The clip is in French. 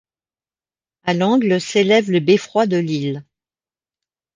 À l'angle, s'élève le beffroi de Lille.